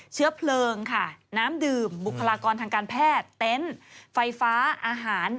เชื้อเพลิงค่ะน้ำดื่มบุคลากรทางการแพทย์เต็นต์ไฟฟ้าอาหาร